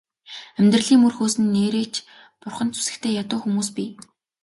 Амьдралын мөр хөөсөн нээрээ ч бурханд сүсэгтэй ядуу хүмүүс бий.